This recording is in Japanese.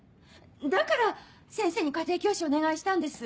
だから先生に家庭教師お願いしたんです。